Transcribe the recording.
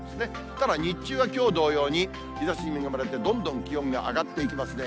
ただ、日中はきょう同様に日ざしに恵まれて、どんどん気温が上がっていきますね。